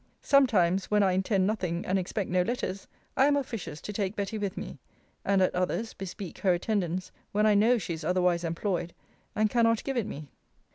Sometimes, when I intend nothing, and expect no letters, I am officious to take Betty with me; and at others, bespeak her attendance, when I know she is otherwise employed, and cannot give it me.